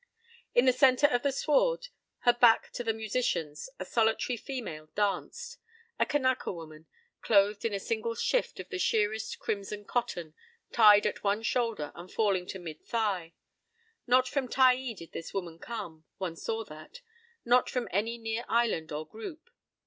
p> In the center of the sward, her back to the musicians, a solitary female danced; a Kanaka woman, clothed in a single shift of the sheerest crimson cotton, tied at one shoulder and falling to mid thigh. Not from Taai did this woman come; one saw that; not from any near island or group.